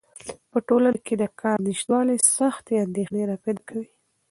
په ټولنه کې د کار نشتوالی سختې اندېښنې راپیدا کوي.